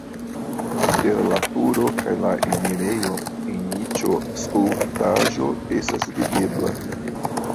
Inter la turo kaj la enirejo en niĉo skulptaĵo estas videbla.